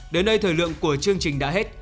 đến đây thời lượng của chương trình đã hết